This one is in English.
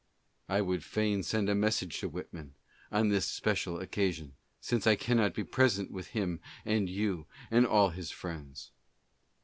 I would fain send a message to Whitman, on this special occa sion, since I cannot be present with him and you and all his friends.